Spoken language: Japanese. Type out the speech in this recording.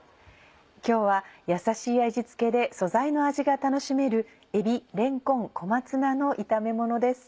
今日はやさしい味付けで素材の味が楽しめる「えびれんこん小松菜の炒めもの」です。